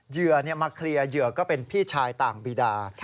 เหยื่อมาเคลียร์เหยื่อก็เป็นพี่ชายต่างบีดา